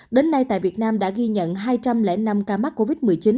đến nay tại việt nam đã ghi nhận hai trăm linh năm ca mắc covid một mươi chín